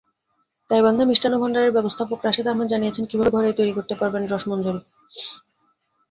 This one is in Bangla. গাইবান্ধা মিষ্টান্ন ভান্ডারের ব্যবস্থাপক রাশেদ আহমেদ জানিয়েছেন কীভাবে ঘরেই তৈরি করতে পারবেন রসমঞ্জরি।